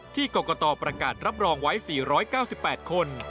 กรกตประกาศรับรองไว้๔๙๘คน